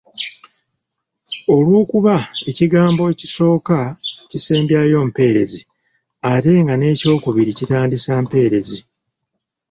Olw’okuba ekigambo ekisooka kisembyayo mpeerezi ate nga n’ekyokubiri kitandisa mpeerezi.